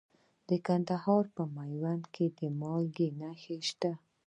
د کندهار په میوند کې د مالګې نښې شته.